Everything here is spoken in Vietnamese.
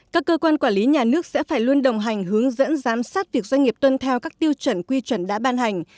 các cơ quan quản lý nhà nước sẽ phải luôn đồng hành hướng dẫn giám sát việc doanh nghiệp tuân theo các tiêu chuẩn quy chuẩn đã ban hành